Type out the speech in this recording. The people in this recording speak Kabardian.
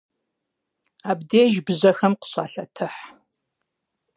Абдеж бжьэхэм къыщалъэтыхь.